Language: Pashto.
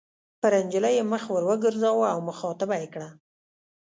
پر نجلۍ یې مخ ور وګرځاوه او مخاطبه یې کړه.